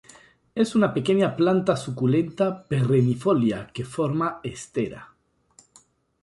Es una pequeña planta suculenta perennifolia que forma estera.